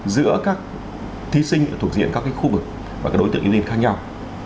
giữa các thí sinh thuộc diện các khu vực và đối tượng ưu tiên khác nhau